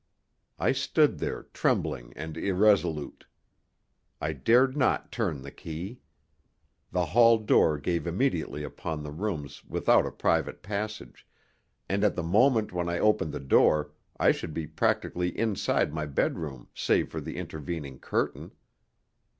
I stood there, trembling and irresolute. I dared not turn the key. The hall door gave immediately upon the rooms without a private passage, and at the moment when I opened the door I should be practically inside my bedroom save for the intervening curtain.